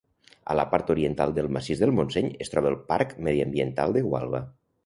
A la part oriental del massís del Montseny es troba el Parc Mediambiental de Gualba.